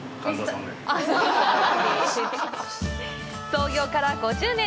創業から５０年。